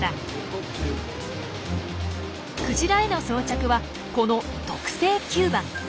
クジラへの装着はこの特製吸盤。